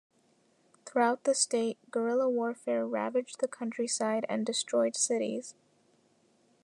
Throughout the state, guerrilla warfare ravaged the countryside and destroyed cities.